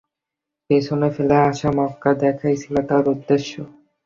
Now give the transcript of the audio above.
পেছনে ফেলে আসা মক্কা দেখাই ছিল তাঁর উদ্দেশ্য।